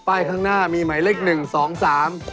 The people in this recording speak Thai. ข้างหน้ามีหมายเลขหนึ่งสองสาม